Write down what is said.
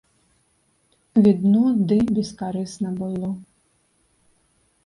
Відно ды бескарысна было.